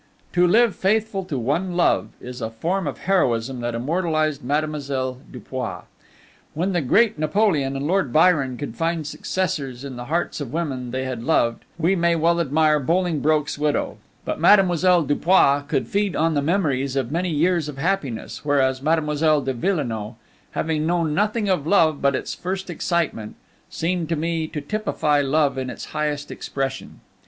To live faithful to one love is a form of heroism that immortalized Mademoiselle Dupuis. When the great Napoleon and Lord Byron could find successors in the hearts of women they had loved, we may well admire Bolingbroke's widow; but Mademoiselle Dupuis could feed on the memories of many years of happiness, whereas Mademoiselle de Villenoix, having known nothing of love but its first excitement, seemed to me to typify love in its highest expression.